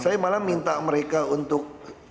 saya malah minta mereka untuk